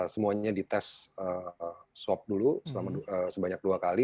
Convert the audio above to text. semuanya dites swab dulu sebanyak dua kali